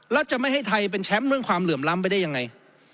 แล้วจะไม่ให้ไทยเป็นแชมป์เรื่องความเหลื่อมล้ำไปได้ยังไง